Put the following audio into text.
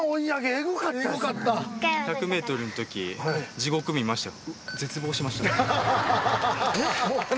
１００ｍの時地獄見ました。